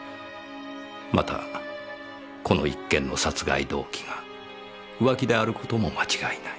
またこの一件の殺害動機が浮気である事も間違いない。